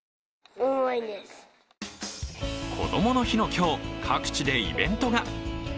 こどもの日の今日、各地でイベントが。